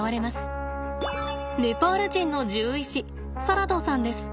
ネパール人の獣医師サラドさんです。